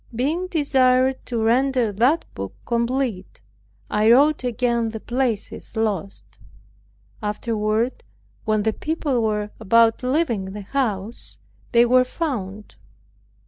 Being desired to render that book complete, I wrote again the places lost. Afterward when the people were about leaving the house, they were found.